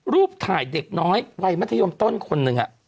รูปถ่ายเด็กน้อยวัยมัธยมต้นคนหนึ่ง